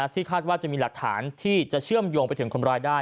ซึ่งคาดว่าจะมีหลักฐานที่จะเชื่อมโยงไปถึงคนร้ายได้